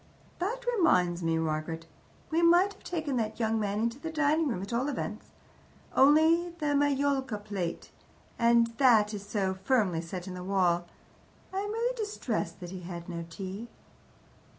"That reminds me, Margaret. We might have taken that young man into the dining room, at all events. Only the majolica plate and that is so firmly set in the wall. I am really distressed that he had no tea."